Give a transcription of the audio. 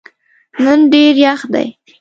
نن ډېر یخ دی.